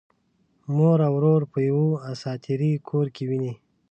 مور او ورور په یوه اساطیري کور کې ويني.